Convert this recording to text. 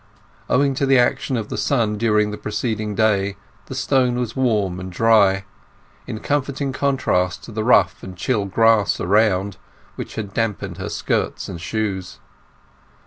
Owing to the action of the sun during the preceding day, the stone was warm and dry, in comforting contrast to the rough and chill grass around, which had damped her skirts and shoes.